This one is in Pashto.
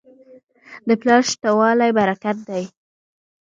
د پلار شته والی برکت دی.